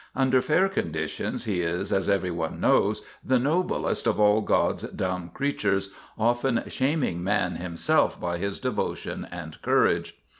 Under fair conditions he is, as every one knows, the noblest of all God's dumb creatures, often shaming man himself by his devo tion and courage.